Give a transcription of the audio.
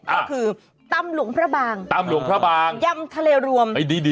ก็คือตำหลวงพระบางย่ำทะเลรวม